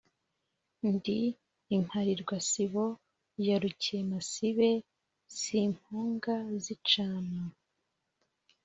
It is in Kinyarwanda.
ndi impalirwasibo ya rukemasibe, simpunga zicana.